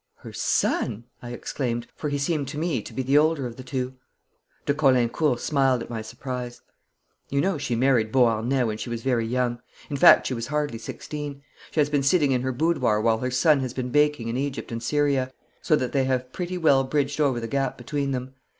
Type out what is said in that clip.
'Her son!' I exclaimed, for he seemed to me to be the older of the two. De Caulaincourt smiled at my surprise. 'You know she married Beauharnais when she was very young in fact she was hardly sixteen. She has been sitting in her boudoir while her son has been baking in Egypt and Syria, so that they have pretty well bridged over the gap between them.